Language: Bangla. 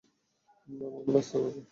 মামা, নাস্তা করবে?